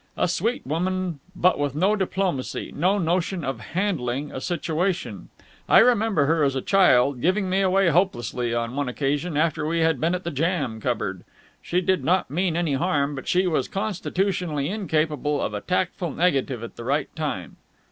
A sweet woman, but with no diplomacy, no notion of handling a situation. I remember her as a child giving me away hopelessly on one occasion after we had been at the jam cupboard. She did not mean any harm, but she was constitutionally incapable of a tactful negative at the right time."